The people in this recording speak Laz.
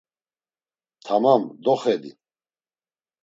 Tamam, doxedi.